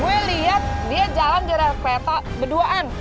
gue liat dia jalan di rakyat kereta berduaan